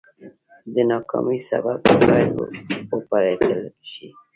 د ناکامۍ سبب باید وپلټل شي.